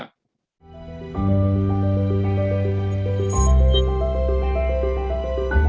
kondisi tersebut mendorong pengurangan stimulus moneter atau tapering dari bank sentral amerika